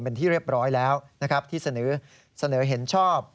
เป็นที่เรียบร้อยแล้วนะครับที่เสนอเห็นชอบ